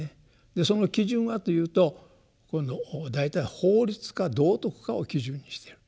でその基準はというと大体法律か道徳かを基準にしている。